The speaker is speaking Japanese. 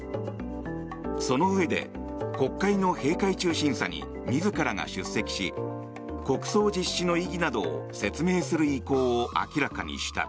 そのうえで国会の閉会中審査に自らが出席し国葬実施の意義などを説明する意向を明らかにした。